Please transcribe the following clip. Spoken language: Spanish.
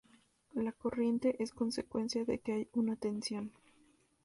La corriente es consecuencia de que hay una tensión.